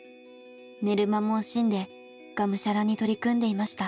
寝る間も惜しんでがむしゃらに取り組んでいました。